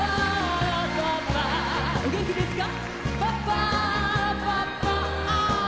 お元気ですか？